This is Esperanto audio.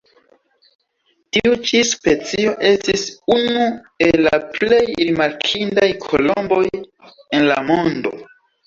Tiu ĉi specio estis unu el la plej rimarkindaj kolomboj en la mondo.